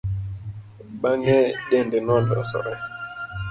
Bang'e dende nolosore.